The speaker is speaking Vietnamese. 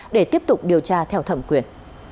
để tiếp tục điều tra theo thẩm quyền